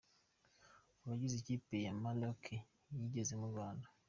Abagize ikipe ya Maroki yageze mu Rwanda.